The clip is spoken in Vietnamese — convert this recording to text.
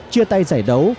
chia tay giải đấu